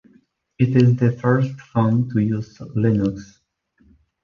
It is the first phone to use Linux.